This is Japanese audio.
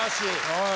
はい。